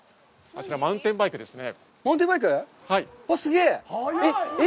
あちらマウンテンバイクですね。